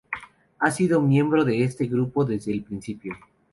Ha sido miembro de este grupo desde el principio.